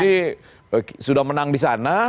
pdi sudah menang di sana